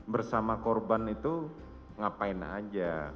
bersama korban itu ngapain aja